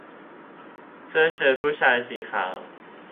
เสื้อเชิ้ตผู้ชายสีขาว